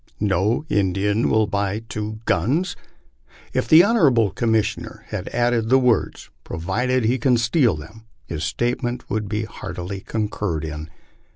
" No Indian will buy two guns !" If the honorable Commissioner had added the words, provided he can steal them, his statement would be heart ily concurred in.